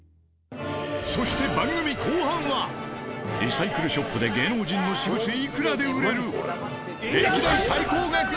そして番組後半はリサイクルショップで芸能人の私物いくらで売れる？